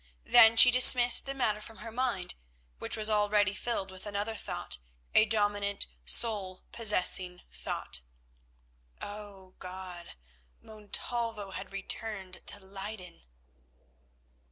Then she dismissed the matter from her mind, which was already filled with another thought, a dominant, soul possessing thought. Oh God, Montalvo had returned to Leyden!